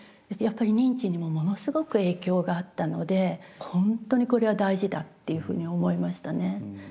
やっぱり認知にもものすごく影響があったので本当にこれは大事だっていうふうに思いましたね。